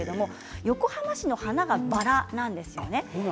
横浜市の花がバラなんですよね。